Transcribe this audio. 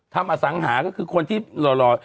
อสังหาก็คือคนที่หล่อ